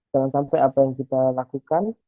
jangan sampai apa yang kita lakukan